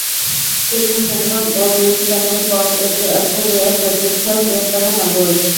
Sydney, Melbourne ও ব্রিসবেনের পর এটি অস্ট্রেলিয়ার চতুর্থ বৃহত্তম নগর।